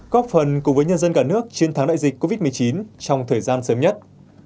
góp phần cùng với nhân dân cả nước chiến thắng đại dịch covid một mươi chín trong thời gian sớm nhất